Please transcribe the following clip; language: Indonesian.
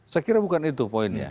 saya kira bukan itu poinnya